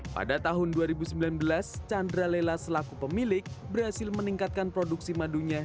pada tahun dua ribu sembilan belas chandra lela selaku pemilik berhasil meningkatkan produksi madunya